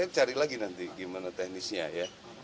cari lagi nanti gimana teknisnya ya